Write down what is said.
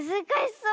そう。